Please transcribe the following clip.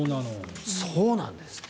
そうなんです。